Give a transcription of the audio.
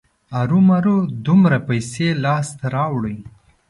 ارومرو دومره پیسې لاسته راوړي.